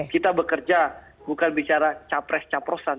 kita bekerja bukan bicara capres capresan